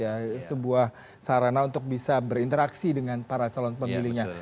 ya sebuah sarana untuk bisa berinteraksi dengan para calon pemilihnya